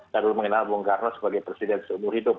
saya dulu mengenal bung karno sebagai presiden seumur hidup